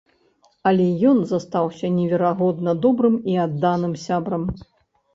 Але ён застаўся неверагодна добрым і адданым сябрам.